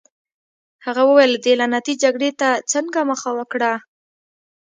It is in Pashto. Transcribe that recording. هغه وویل: دې لعنتي جګړې ته دې څنګه مخه وکړه؟